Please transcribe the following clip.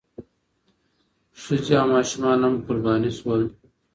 ښځې او ماشومان هم قرباني شول.